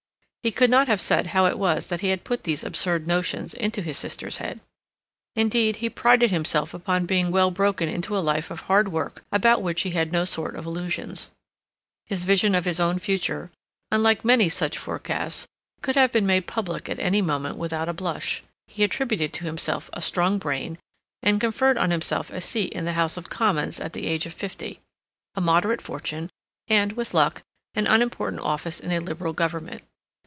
He could not have said how it was that he had put these absurd notions into his sister's head. Indeed, he prided himself upon being well broken into a life of hard work, about which he had no sort of illusions. His vision of his own future, unlike many such forecasts, could have been made public at any moment without a blush; he attributed to himself a strong brain, and conferred on himself a seat in the House of Commons at the age of fifty, a moderate fortune, and, with luck, an unimportant office in a Liberal Government.